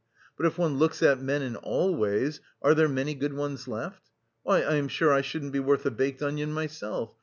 But if one looks at men in all ways are there many good ones left? Why, I am sure I shouldn't be worth a baked onion myself...